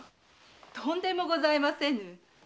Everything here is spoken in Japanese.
とんでもございませぬ。